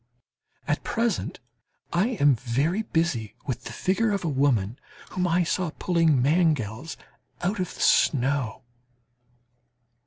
At present I am very busy with the figure of a woman whom I saw pulling mangels out of the snow.